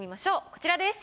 こちらです。